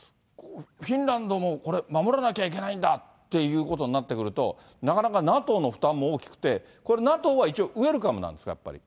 フィンランドもこれ、守らなきゃいけないんだっていうことになってくると、なかなかＮＡＴＯの負担も大きくて、これ、ＮＡＴＯは一応ウェルカムなんですか？